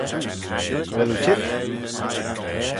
Vel oo çheet?